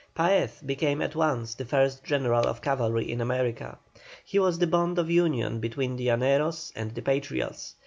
Paez became at once the first general of cavalry in America. He was the bond of union between the Llaneros and the Patriots.